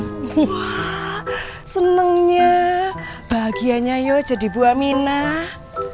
wah senengnya bahagianya yuk jadi bu aminah